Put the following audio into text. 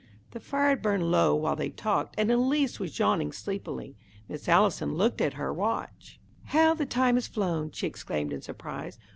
The fire had burned low while they talked, and Elise was yawning sleepily. Miss Allison looked at her watch. "How the time has flown!" she exclaimed in surprise.